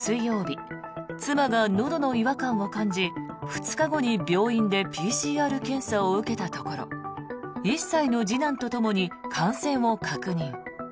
先週水曜日妻がのどの違和感を感じ２日後に病院でＰＣＲ検査を受けたところ１歳の次男とともに感染を確認。